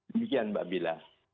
demikian mbak dila